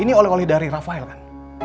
ini oleh oleh dari rafael kan